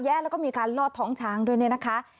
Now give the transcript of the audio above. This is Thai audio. แล้วก็มีการลอดท้องช้างด้วยเนี่ยนะคะ